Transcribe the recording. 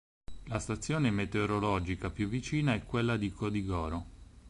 La stazione meteorologica più vicina è quella di Codigoro.